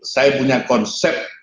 saya punya konsep